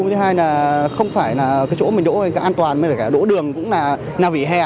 thứ hai là không phải là chỗ mình đỗ an toàn đỗ đường cũng là vỉa hè